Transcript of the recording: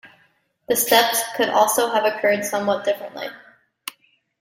The steps could also have occurred somewhat differently.